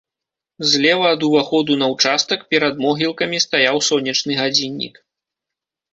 Злева ад уваходу на ўчастак, перад могілкамі, стаяў сонечны гадзіннік.